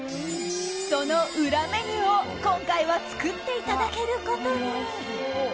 その裏メニューを今回は作っていただけることに。